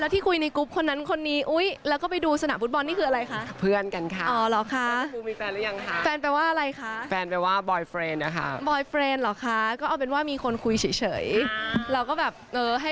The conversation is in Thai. ที่คุยในกรุ๊ปคนนั้นคนนี้แล้วก็ไปดูสนามฟุตบอลนี่คืออะไรคะ